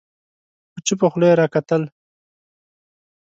په چوپه خوله يې راکتل